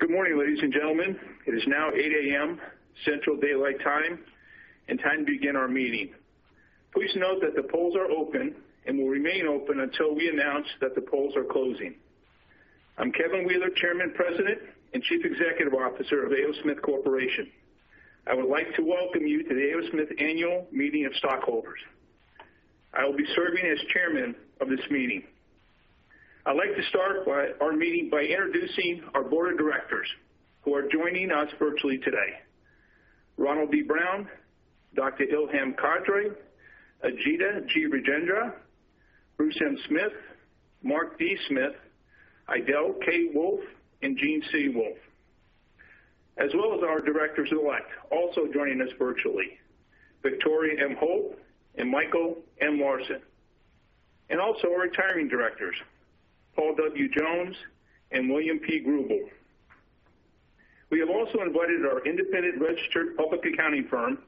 Good morning, ladies and gentlemen. It is now 8:00 A.M. Central Daylight Time, and time to begin our meeting. Please note that the polls are open and will remain open until we announce that the polls are closing. I'm Kevin Wheeler, Chairman, President, and Chief Executive Officer of A. O. Smith Corporation. I would like to welcome you to the A. O. Smith Annual Meeting of Stockholders. I will be serving as Chairman of this meeting. I'd like to start our meeting by introducing our Board of Directors, who are joining us virtually today: Ronald D. Brown, Dr. Ilham Kadri, Ajita G. Rajendra, Bruce M. Smith, Mark D. Smith, Idelle K. Wolf, and Gene C. Wulf, as well as our Directors-Elect also joining us virtually: Victoria M. Holt and Michael M. Larson, and also our retiring Directors: Paul W. Jones and William P. Greubel. We have also invited our independent registered public accounting firm,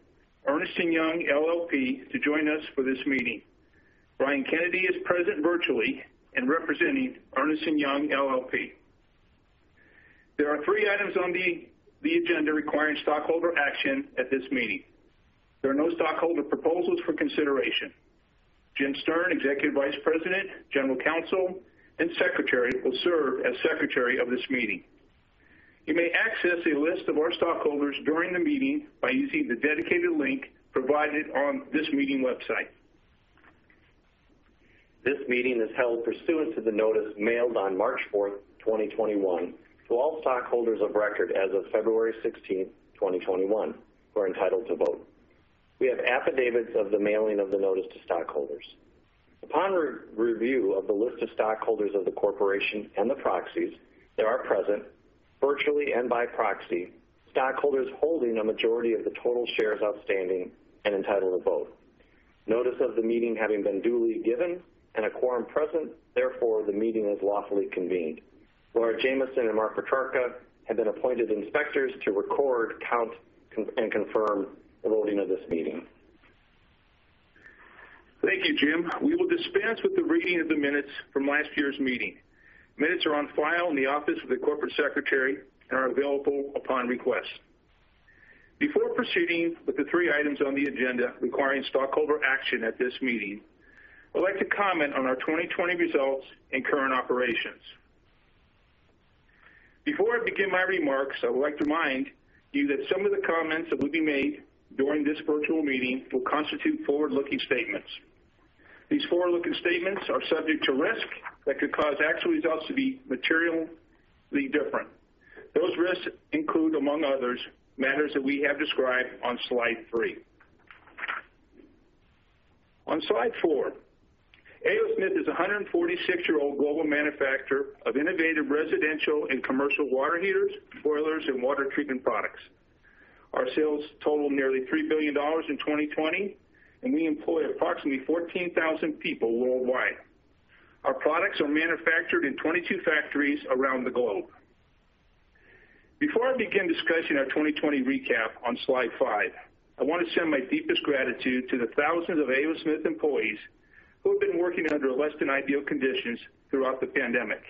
Ernst & Young LLP, to join us for this meeting. Brian Kennedy is present virtually and representing Ernst & Young LLP. There are three items on the agenda requiring stockholder action at this meeting. There are no stockholder proposals for consideration. Jim Stern, Executive Vice President, General Counsel, and Secretary will serve as Secretary of this meeting. You may access a list of our stockholders during the meeting by using the dedicated link provided on this meeting website. This meeting is held pursuant to the notice mailed on March 4th, 2021, to all stockholders of record as of February 16th, 2021, who are entitled to vote. We have affidavits of the mailing of the notice to stockholders. Upon review of the list of stockholders of the corporation and the proxies, there are present, virtually and by proxy, stockholders holding a majority of the total shares outstanding and entitled to vote. Notice of the meeting having been duly given and a quorum present, therefore the meeting is lawfully convened. Laura Jamison and Mark Petrarca have been appointed inspectors to record, count, and confirm the voting of this meeting. Thank you, Jim. We will dispense with the reading of the minutes from last year's meeting. Minutes are on file in the office of the Corporate Secretary and are available upon request. Before proceeding with the three items on the agenda requiring stockholder action at this meeting, I would like to comment on our 2020 results and current operations. Before I begin my remarks, I would like to remind you that some of the comments that will be made during this virtual meeting will constitute forward-looking statements. These forward-looking statements are subject to risks that could cause actual results to be materially different. Those risks include, among others, matters that we have described on slide three. On slide four, A. O. Smith is a 146-year-old global manufacturer of innovative residential and commercial water heaters, boilers, and water treatment products. Our sales totaled nearly $3 billion in 2020, and we employ approximately 14,000 people worldwide. Our products are manufactured in 22 factories around the globe. Before I begin discussing our 2020 recap on slide five, I want to send my deepest gratitude to the thousands of A. O. Smith employees who have been working under less-than-ideal conditions throughout the pandemic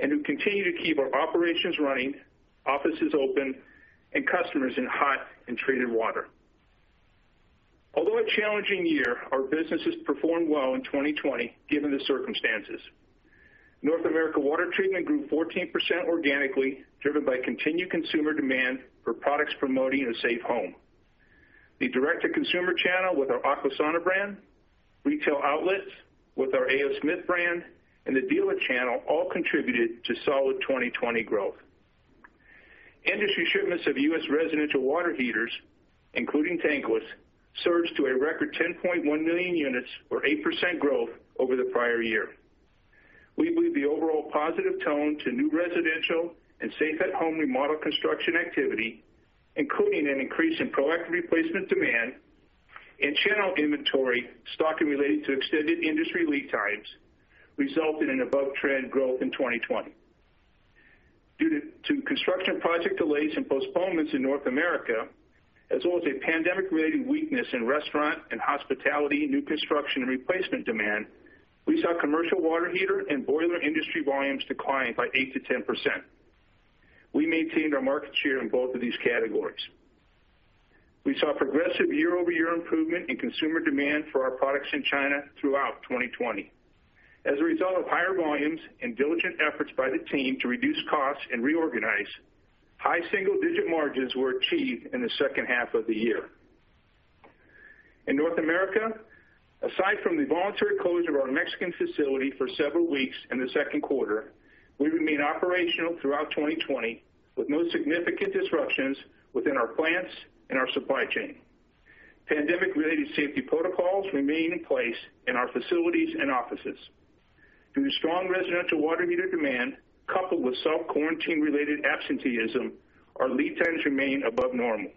and who continue to keep our operations running, offices open, and customers in hot and treated water. Although a challenging year, our business has performed well in 2020 given the circumstances. North America Water Treatment grew 14% organically, driven by continued consumer demand for products promoting a safe home. The direct-to-consumer channel with our Aquasana brand, retail outlets with our A. O. Smith brand, and the dealer channel all contributed to solid 2020 growth. Industry shipments of U.S. Residential water heaters, including tankless, surged to a record 10.1 million units, or 8% growth over the prior year. We believe the overall positive tone to new residential and safe-at-home remodel construction activity, including an increase in proactive replacement demand and channel inventory stocking related to extended industry lead times, resulted in above-trend growth in 2020. Due to construction project delays and postponements in North America, as well as a pandemic-related weakness in restaurant and hospitality new construction and replacement demand, we saw commercial water heater and boiler industry volumes decline by 8%-10%. We maintained our market share in both of these categories. We saw progressive year-over-year improvement in consumer demand for our products in China throughout 2020. As a result of higher volumes and diligent efforts by the team to reduce costs and reorganize, high single-digit margins were achieved in the second half of the year. In North America, aside from the voluntary closure of our Mexican facility for several weeks in the second quarter, we remained operational throughout 2020 with no significant disruptions within our plants and our supply chain. Pandemic-related safety protocols remain in place in our facilities and offices. Due to strong residential water heater demand, coupled with self-quarantine-related absenteeism, our lead times remain above normal.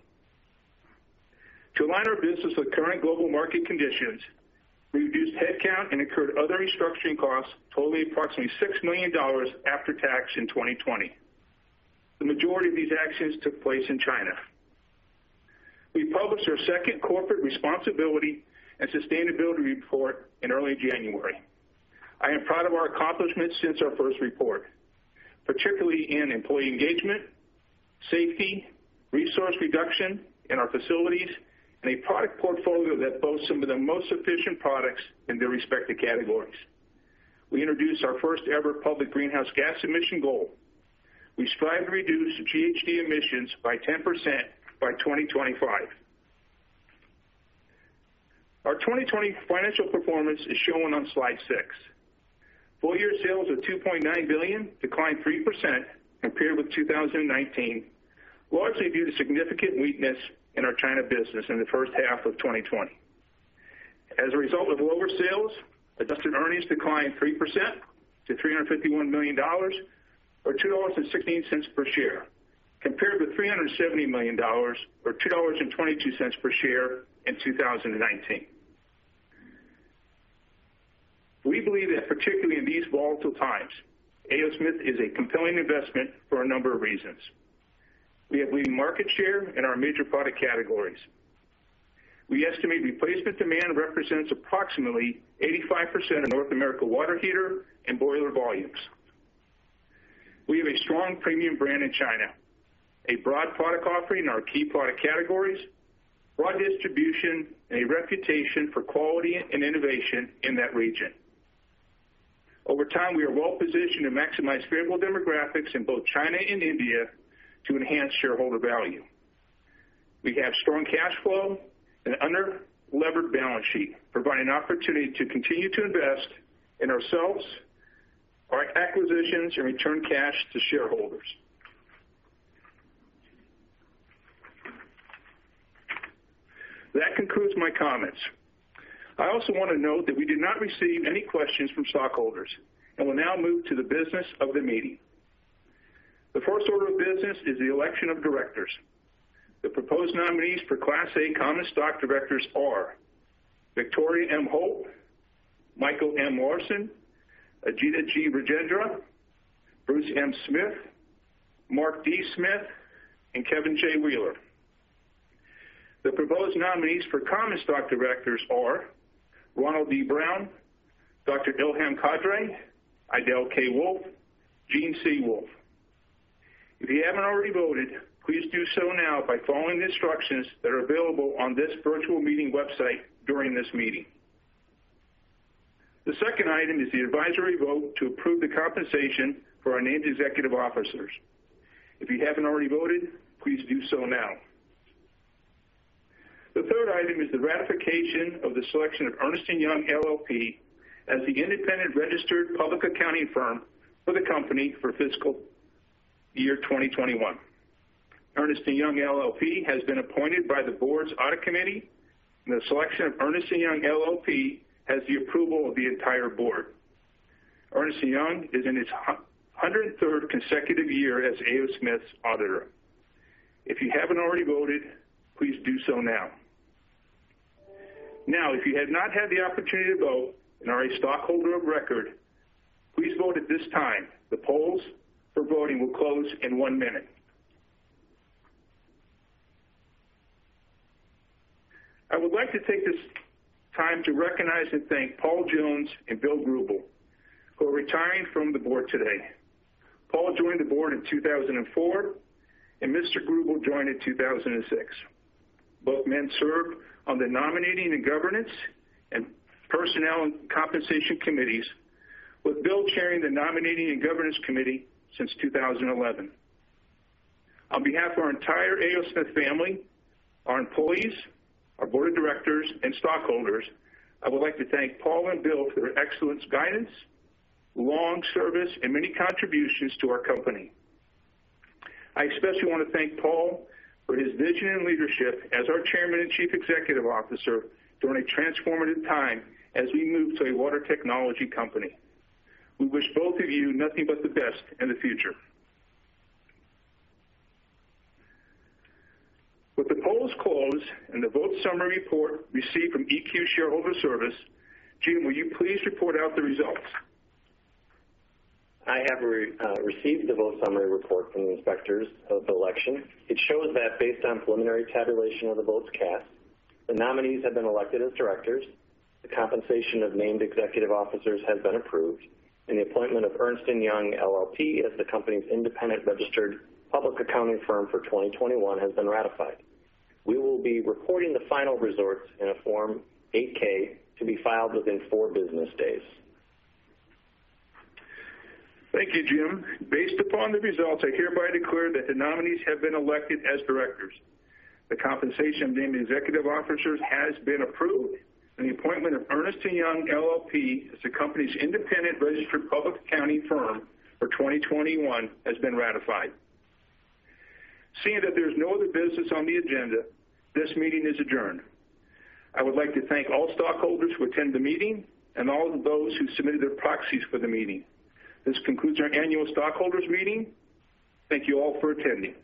To align our business with current global market conditions, we reduced headcount and incurred other restructuring costs totaling approximately $6 million after tax in 2020. The majority of these actions took place in China. We published our second corporate responsibility and sustainability report in early January. I am proud of our accomplishments since our first report, particularly in employee engagement, safety, resource reduction in our facilities, and a product portfolio that boasts some of the most efficient products in their respective categories. We introduced our first-ever public greenhouse gas emission goal. We strive to reduce GHG emissions by 10% by 2025. Our 2020 financial performance is shown on slide six. Full-year sales of $2.9 billion declined 3% compared with 2019, largely due to significant weakness in our China business in the first half of 2020. As a result of lower sales, adjusted earnings declined 3% to $351 million, or $2.16 per share, compared with $370 million, or $2.22 per share in 2019. We believe that particularly in these volatile times, A. O. Smith is a compelling investment for a number of reasons. We have leading market share in our major product categories. We estimate replacement demand represents approximately 85% of North America water heater and boiler volumes. We have a strong premium brand in China, a broad product offering in our key product categories, broad distribution, and a reputation for quality and innovation in that region. Over time, we are well-positioned to maximize favorable demographics in both China and India to enhance shareholder value. We have strong cash flow and an under-levered balance sheet, providing an opportunity to continue to invest in ourselves, our acquisitions, and return cash to shareholders. That concludes my comments. I also want to note that we did not receive any questions from stockholders and will now move to the business of the meeting. The first order of business is the election of directors. The proposed nominees for Class A Common Stock Directors are Victoria M. Holt, Michael M. Larson, Ajita G. Rajendra, Bruce M. Smith, Mark D. Smith, and Kevin J. Wheeler. The proposed nominees for Common Stock Directors are Ronald D. Brown, Dr. Ilham Kadri, Idelle K. Wolf, Gene C. Wulf. If you haven't already voted, please do so now by following the instructions that are available on this virtual meeting website during this meeting. The second item is the advisory vote to approve the compensation for our named executive officers. If you haven't already voted, please do so now. The third item is the ratification of the selection of Ernst & Young LLP as the independent registered public accounting firm for the company for fiscal year 2021. Ernst & Young LLP has been appointed by the Board's Audit Committee, and the selection of Ernst & Young LLP has the approval of the entire board. Ernst & Young is in its 103rd consecutive year as A. O. Smith's auditor. If you haven't already voted, please do so now. Now, if you have not had the opportunity to vote and are a stockholder of record, please vote at this time. The polls for voting will close in one minute. I would like to take this time to recognize and thank Paul Jones and Bill Greubel, who are retiring from the board today. Paul joined the board in 2004, and Mr. Greubel joined in 2006. Both men served on the Nominating and Governance and Personnel and Compensation Committees, with Bill chairing the Nominating and Governance Committee since 2011. On behalf of our entire A. O. Smith family, our employees, our Board of Directors, and stockholders, I would like to thank Paul and Bill for their excellent guidance, long service, and many contributions to our company. I especially want to thank Paul for his vision and leadership as our Chairman and Chief Executive Officer during a transformative time as we move to a water technology company. We wish both of you nothing but the best in the future. With the polls closed and the vote summary report received from EQ Shareowner Services, Jim, will you please report out the results? I have received the vote summary report from the inspectors of the election. It shows that based on preliminary tabulation of the votes cast, the nominees have been elected as directors, the compensation of named executive officers has been approved, and the appointment of Ernst & Young LLP as the company's independent registered public accounting firm for 2021 has been ratified. We will be reporting the final results in a Form 8-K to be filed within four business days. Thank you, Jim. Based upon the results, I hereby declare that the nominees have been elected as directors. The compensation of named executive officers has been approved, and the appointment of Ernst & Young LLP as the company's independent registered public accounting firm for 2021 has been ratified. Seeing that there is no other business on the agenda, this meeting is adjourned. I would like to thank all stockholders who attended the meeting and all of those who submitted their proxies for the meeting. This concludes our annual stockholders' meeting. Thank you all for attending.